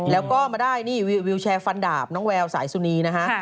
แล้วก็มาได้นี่วิวแชร์ฟันดาบน้องแววสายสุนีนะฮะ